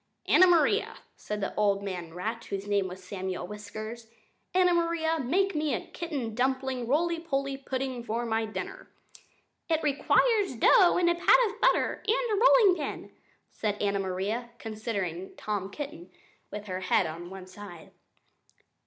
"Anna Maria," said the old man rat (whose name was Samuel Whiskers), "Anna Maria, make me a kitten dumpling roly poly pudding for my dinner." "It requires dough and a pat of butter and a rolling pin," said Anna Maria, considering Tom Kitten with her head on one side.